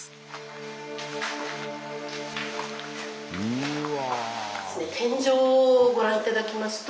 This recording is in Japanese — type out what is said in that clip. うわ。